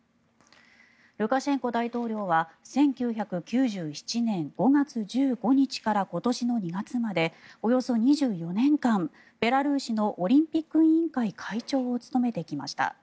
ルカシェンコ大統領は１９９７年５月１５日から今年の２月までおよそ２４年間ベラルーシのオリンピック委員会会長を務めてきました。